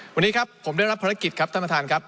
วันนี้ครับผมได้รับภารกิจครับท่านประธานครับ